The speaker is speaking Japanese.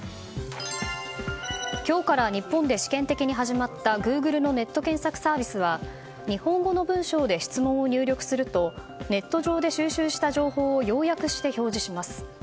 今日から日本で試験的に始まったグーグルのネット検索サービスは日本語の文章で質問を入力するとネット上で収集した情報を要約して表示します。